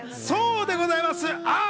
そうでございます。